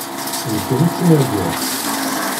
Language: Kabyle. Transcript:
D kemm i ttnadiɣ.